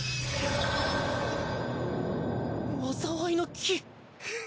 災いの樹！？